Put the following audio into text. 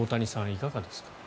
いかがですか。